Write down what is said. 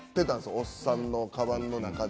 おっさんのかばんの中身。